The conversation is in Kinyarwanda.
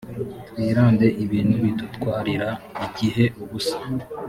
twirnde ibintu bidutwarira igihe ubusa